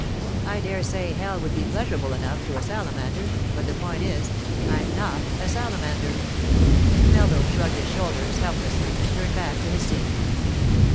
I dare say hell would be pleasurable enough to a salamander, but the point is—I'm not a salamander.' Melville shrugged his shoulders helplessly and turned back to his seat.